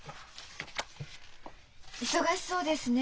忙しそうですね。